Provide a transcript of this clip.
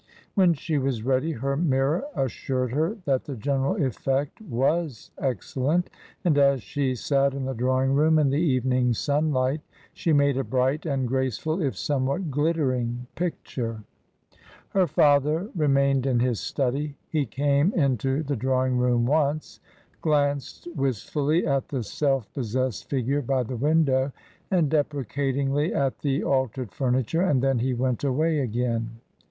When she was ready, her mirror assured her that the general effect was excellent, and as she sat in the draw ing room in the evening sunlight, she made a bright and graceful if somewhat glittering picture. Her father remained in his study. He came into the drawing room once, glanced wistfully at the self pos sessed figure by the window and deprecatingly at the altered furniture, and then he went away again.